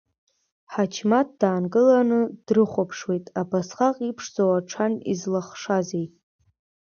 Ҳаџьмаҭ даагыланы дрыхәаԥшуеит, абасҟак иԥшӡоу аҽан излахшазеи?